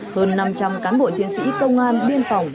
hơn năm trăm linh cán bộ chiến sĩ công an biên phòng